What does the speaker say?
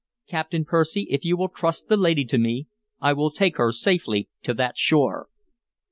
Captain Percy, if you will trust the lady to me, I will take her safely to that shore."